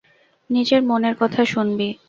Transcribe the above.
নিজের মনের কথা শুনবি।